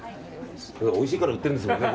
っておいしいから売ってるんですよね。